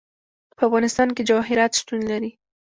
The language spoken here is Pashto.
په افغانستان کې جواهرات شتون لري.